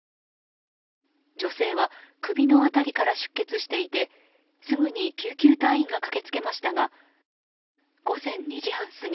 女性は首の辺りから出血していてすぐに救急隊員が駆けつけましたが午前２時半過ぎ